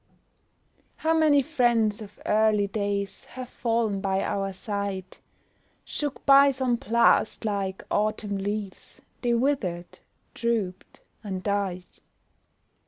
How many friends of early days, Have fallen by our side; Shook by some blast, like autumn leaves They withered, drooped, and died.